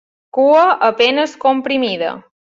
Cua a penes comprimida.